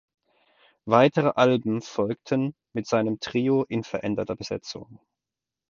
Weitere Alben folgten mit seinem Trio in veränderter Besetzung.